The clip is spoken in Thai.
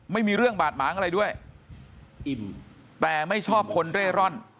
ไม่มีเรื่องบาดหมางอะไรด้วยอิ่มแต่ไม่ชอบคนเร่ร่อน